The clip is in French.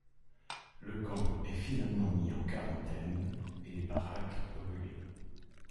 Le camp est finalement mis en quarantaine et les baraques brûlées.